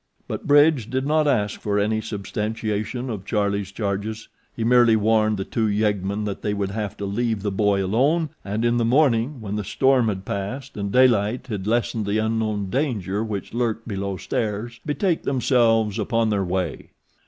But Bridge did not ask for any substantiation of Charlie's charges, he merely warned the two yeggmen that they would have to leave the boy alone and in the morning, when the storm had passed and daylight had lessened the unknown danger which lurked below stairs, betake themselves upon their way.